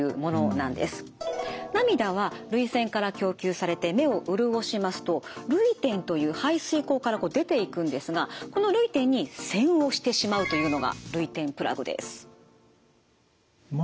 涙は涙腺から供給されて目を潤しますと涙点という排水溝から出ていくんですがこの涙点に栓をしてしまうというのが涙点プラグです。